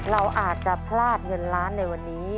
เราอาจจะพลาดเงินล้านในวันนี้